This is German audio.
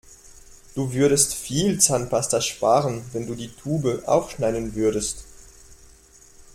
Du würdest viel Zahnpasta sparen, wenn du die Tube aufschneiden würdest.